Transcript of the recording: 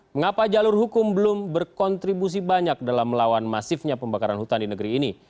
mengapa jalur hukum belum berkontribusi banyak dalam melawan masifnya pembakaran hutan di negeri ini